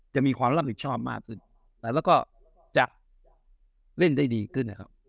จะมีความรับผิดชอบมากขึ้นแล้วก็จะเล่นได้ดีขึ้นนะครับ